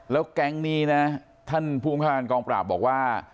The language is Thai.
แล้วแก๊งนี้นะท่านภูมิภาคการกองปราบบอกว่า